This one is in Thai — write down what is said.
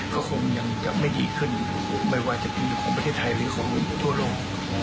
ก็คงยังจะไม่ดีขึ้นไม่ว่าจะเป็นของประเทศไทยหรือของทั่วโลก